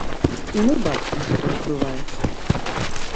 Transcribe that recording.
І мы бачым, што адбываецца.